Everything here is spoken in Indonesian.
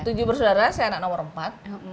tujuh bersaudara saya anak nomor empat